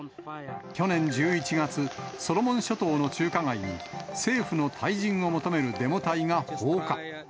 去年１１月、ソロモン諸島の中華街に、政府の退陣を求めるデモ隊が放火。